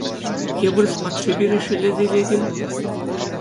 Е вырӑс патши пире шеллесе илет-им?